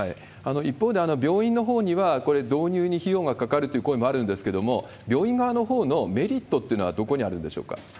一方で、病院のほうにはこれ、導入に費用がかかるという声もあるんですけれども、病院側のほうのメリットっていうのはどこにあるんでしょうか？